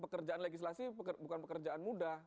pekerjaan legislasi bukan pekerjaan mudah